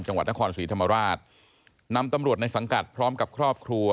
จังหวัดนครศรีธรรมราชนำตำรวจในสังกัดพร้อมกับครอบครัว